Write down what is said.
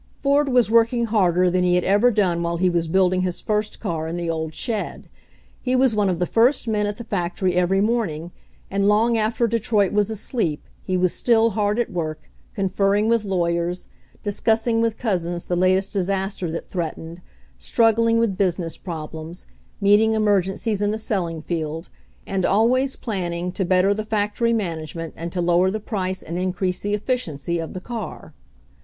Ford was working harder FIGHTING THE SELDON PATENT 137 than he had ever done while he was building his first car in the old shed. He was one of the first men at the factory every morning, and long after Detroit was asleep he was still hard at work, con ferring with lawyers, discussing with Couzens the latest disaster that threatened, struggling with business problems, meeting emergencies in the selling 1 field, and always planning to better the factory management and to lower the price and increase the efficiency of the car.